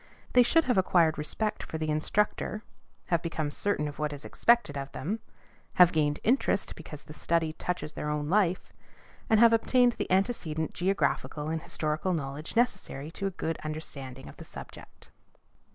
They should have acquired respect for the instructor; have become certain of what is expected of them; have gained interest because the study touches their own life; and have obtained the antecedent geographical and historical knowledge necessary to a good understanding of the subject.